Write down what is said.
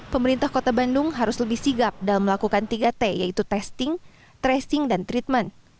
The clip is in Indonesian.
pemerintah kota bandung harus lebih sigap dalam melakukan tiga t yaitu testing tracing dan treatment